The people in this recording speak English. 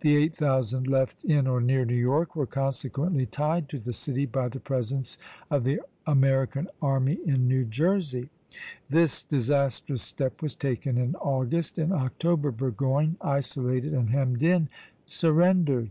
The eight thousand left in or near New York were consequently tied to the city by the presence of the American army in New Jersey. This disastrous step was taken in August; in October Burgoyne, isolated and hemmed in, surrendered.